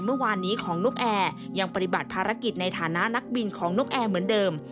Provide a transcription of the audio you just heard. เมื่อวานนี้ของนกแอร์ยังปฏิบัติภารกิจในฐานะนักบินของนกแอร์เหมือนเดิม